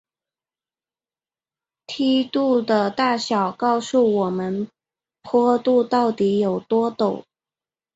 梯度的大小告诉我们坡度到底有多陡。